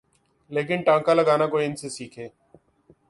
لیکن ٹانکا لگانا کوئی ان سے سیکھے۔